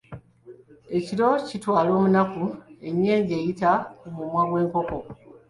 Ekiro kitwala omunaku, ennyenje eyita ku mumwa gw’enkoko.